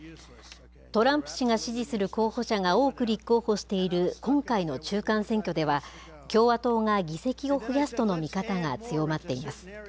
トランプ氏が支持する候補者が多く立候補している今回の中間選挙では、共和党が議席を増やすとの見方が強まっています。